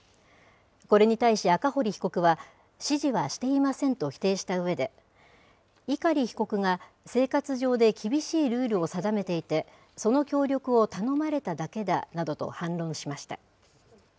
これに対し、赤堀被告は指示はしていませんと否定したうえで、碇被告が生活上で厳しいルールを定めていて、その協力を頼まれただけだなどと反論しました。